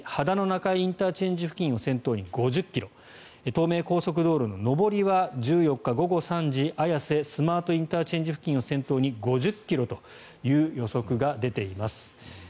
中井ＩＣ付近を先頭に５０ｋｍ東名高速道路の上りは１４日午後３時綾瀬スマートＩＣ付近を先頭に５０ｋｍという予測が出ています。